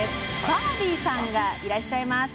バービーさんがいらっしゃいます。